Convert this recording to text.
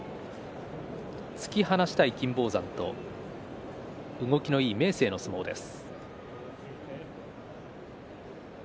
突き放したい金峰山動きのいい明生の相撲です。